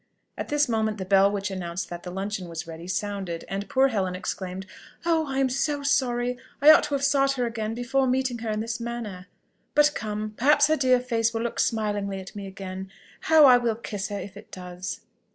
At this moment the bell which announced that the luncheon was ready, sounded, and poor Helen exclaimed, "Oh, I am so sorry! I ought to have sought her again, before meeting her in this manner. But come! perhaps her dear face will look smilingly at me again: how I will kiss her if it does!"